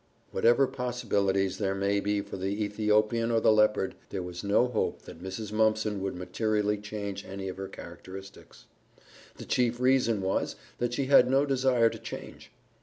Whatever possibilities there may be for the Ethiopian or the leopard, there was no hope that Mrs. Mumpson would materially change any of her characteristics. The chief reason was that she had no desire to change.